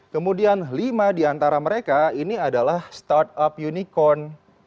kemudian lima di antara mereka ini adalah startup unicorn